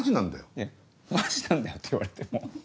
いや「マジなんだよ」って言われても。